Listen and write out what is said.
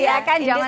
iya kan jangan lupa